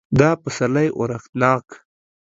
دا پسرلی اورښتناک